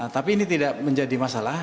tapi ini tidak menjadi masalah